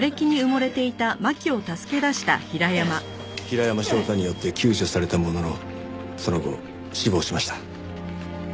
平山翔太によって救助されたもののその後死亡しました。